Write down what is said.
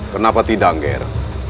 kenapa tidak nger